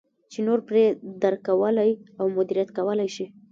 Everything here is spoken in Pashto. چې نور پرې درک کولای او مدیریت کولای شي.